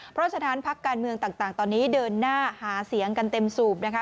เพราะฉะนั้นพักการเมืองต่างตอนนี้เดินหน้าหาเสียงกันเต็มสูบนะคะ